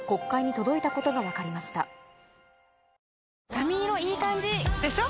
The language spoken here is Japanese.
髪色いい感じ！でしょ？